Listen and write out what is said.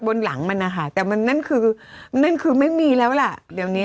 บนหลังมันนะคะแต่มันนั่นคือนั่นคือไม่มีแล้วล่ะเดี๋ยวนี้